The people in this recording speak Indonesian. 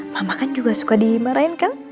mama kan juga suka dimarahin kan